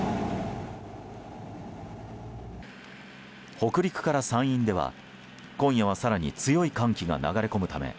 北陸から山陰では、今夜は更に強い寒気が流れ込むため